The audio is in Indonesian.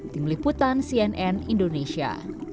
tim liputan cnn indonesia